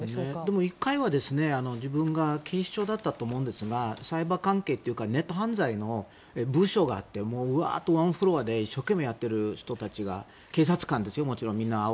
でも、１回は自分が警視庁だったと思うんですがサイバー関係というかネット犯罪の部署があって１フロアで一生懸命やっている人たちが警察官ですよ、もちろんみんな。